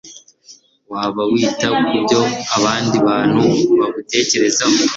waba wita kubyo abandi bantu bagutekerezaho